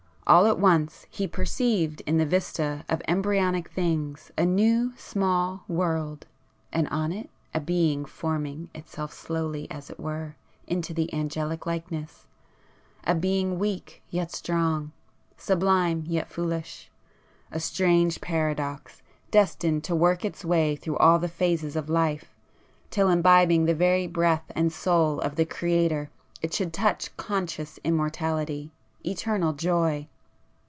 All at once he perceived in the vista of embryonic things a new small world, and on it a being forming itself slowly as it were into the Angelic likeness,—a being weak yet strong, sublime yet foolish,—a strange paradox, destined to work its way through all the phases of life, till imbibing the very breath and soul of the Creator it should touch Conscious Immortality,—Eternal Joy.